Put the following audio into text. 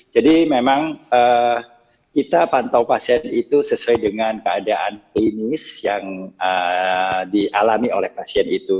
jadi memang kita pantau pasien itu sesuai dengan keadaan klinis yang dialami oleh pasien itu